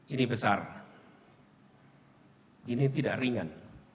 ini besar ini tidak ringan